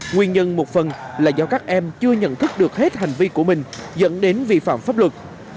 nguyên nhân một phần là do các em chưa nhận thức được hết hành vi của mình dẫn đến vi phạm pháp luật